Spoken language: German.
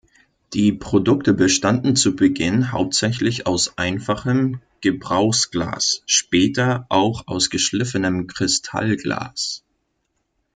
Die Produkte bestanden zu Beginn hauptsächlich aus einfachem Gebrauchsglas, später auch aus geschliffenem Kristallglas.